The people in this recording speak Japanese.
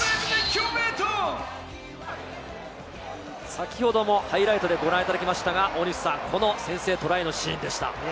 先ほどもハイライトでご覧いただきましたが、この先制トライのシーンでした。